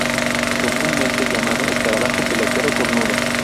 Comúnmente llamado "escarabajo pelotero cornudo".